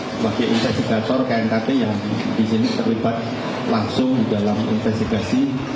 sebagai investigator knkt yang disini terlibat langsung dalam investigasi